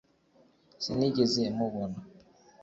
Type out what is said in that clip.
Sinigeze mubona